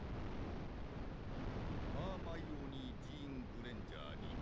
「ハーマイオニー・ジーン・グレンジャーに」